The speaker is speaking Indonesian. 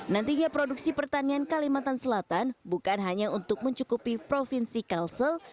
nantinya produksi pertanian kalimantan selatan bukan hanya untuk mencukupi provinsi kalsel